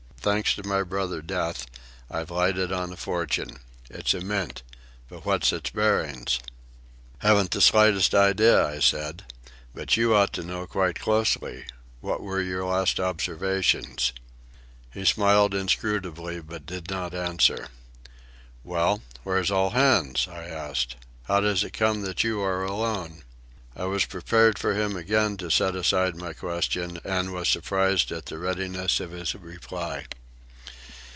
Thanks to my brother Death, I've lighted on a fortune. It's a mint. What's its bearings?" "Haven't the least idea," I said. "But you ought to know quite closely. What were your last observations?" He smiled inscrutably, but did not answer. "Well, where's all hands?" I asked. "How does it come that you are alone?" I was prepared for him again to set aside my question, and was surprised at the readiness of his reply.